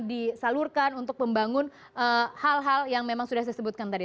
disalurkan untuk membangun hal hal yang memang sudah saya sebutkan tadi